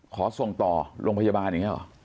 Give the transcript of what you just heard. ขอส่งต่อโรงพยาบาลอย่างนี้หรอ